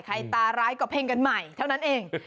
ตาร้ายก็เพ่งกันใหม่เท่านั้นเอง